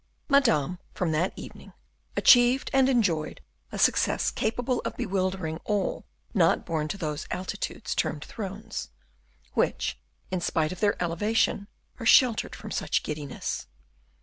Madame, from that evening, achieved and enjoyed a success capable of bewildering all not born to those altitudes termed thrones; which, in spite of their elevation, are sheltered from such giddiness.